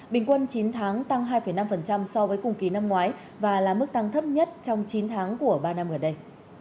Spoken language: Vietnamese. bình quân chín tháng tăng hai năm so với cùng kỳ năm ngoái và là mức tăng thấp nhất trong chín tháng của ba năm gần đây